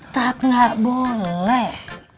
tad gak boleh